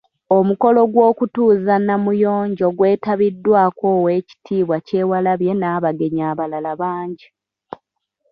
Omukolo gw'okutuuza Namuyonjo gwetabiddwako Oweekitiibwa Kyewalabye n'abagenyi abalala bangi.